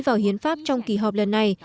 vào hiến pháp trong kỳ họp lần này